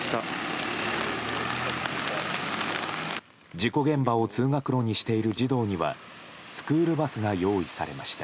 事故現場を通学路にしている児童にはスクールバスが用意されました。